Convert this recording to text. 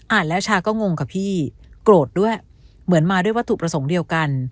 แล้วชาก็งงค่ะพี่โกรธด้วยเหมือนมาด้วยวัตถุประสงค์เดียวกัน